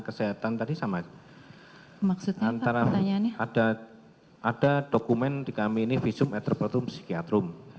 kesehatan tadi sama maksudnya antara ada ada dokumen di kami ini visum etropotum psikiatrum